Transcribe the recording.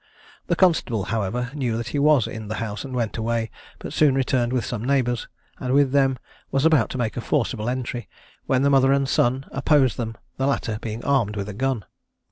The constable, however, knew that he was in the house and went away, but soon returned with some neighbours, and with them was about to make a forcible entry, when the mother and son opposed them, the latter being armed with a gun.